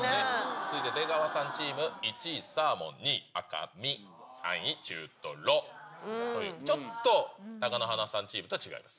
続いて出川さんチーム、１位、サーモン、２位、赤身、３位、中トロという、ちょっと、貴乃花さんチームとは違います。